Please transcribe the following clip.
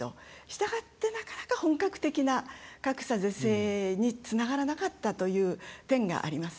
したがって、なかなか本格的な格差是正につながらなかったという点がありますね。